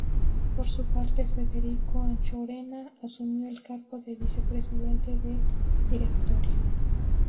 Por su parte, Federico Anchorena asumió el cargo de vice presidente del directorio.